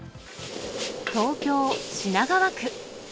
東京・品川区。